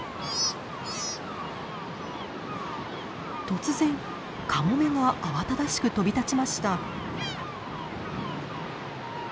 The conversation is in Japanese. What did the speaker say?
突然カモメが慌ただしく飛び立ちました。